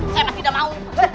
saya mah tidak mau